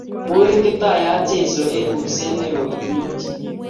Kurin Kiptayat Jesu eng kuurset ne o inyonjin